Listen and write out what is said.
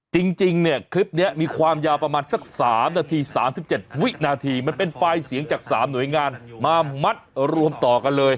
จริงจริงเนี้ยคลิปเนี้ยมีความยาวประมาณสักสามนาทีสามสิบเจ็ดวินาทีมันเป็นไฟล์เสียงจากสามหน่วยงานมามัดรวมต่อกันเลย